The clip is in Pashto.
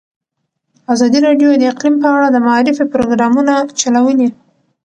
ازادي راډیو د اقلیم په اړه د معارفې پروګرامونه چلولي.